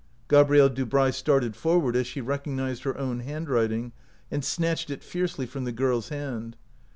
Gabrielle Dubray started forward as she recognized her own handwriting, and snatched it fiercely from the girFs hand.